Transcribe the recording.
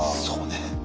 そうね。